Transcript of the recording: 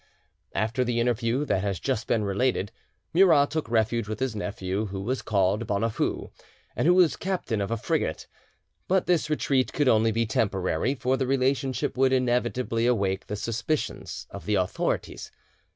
After the interview that has just been related, Murat took refuge with his nephew, who was called Bonafoux, and who was captain of a frigate; but this retreat could only be temporary, for the relationship would inevitably awake the suspicions of the authorities.